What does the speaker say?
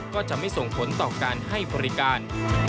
ก็จะไม่ส่งผลต่อการให้บริการ